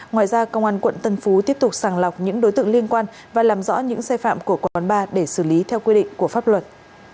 ngoài ra công an quận tân phú tiếp tục sàng lọc những đối tượng liên quan và làm rõ những sai phạm của quán bar để xử lý theo quy định của pháp luật